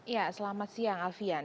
ya selamat siang alfian